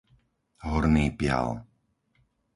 Horný Pial